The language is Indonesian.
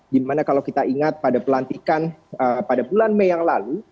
dimana kalau kita ingat pada pelantikan pada bulan mei yang lalu